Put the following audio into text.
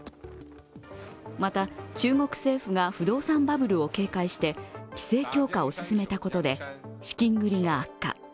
また、中国政府が不動産バブルを警戒して規制強化を進めたことで資金繰りが悪化。